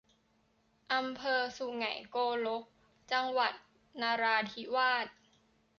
อำเภอสุไหงโกลก จังหวัดนราธิวาส